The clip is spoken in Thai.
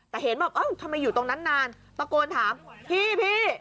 แต่เห็นแบบเอ้าทำไมอยู่ตรงนั้นนานตะโกนถามพี่พี่